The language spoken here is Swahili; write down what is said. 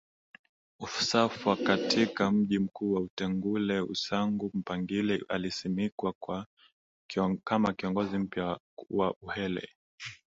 Usafwa katika mji mkuu wa Utengule Usangu Mpangile alisimikwa kama kiongozi mpya wa Uhehe